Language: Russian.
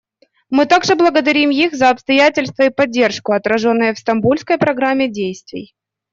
Мы также благодарим их за обязательства и поддержку, отраженные в Стамбульской программе действий.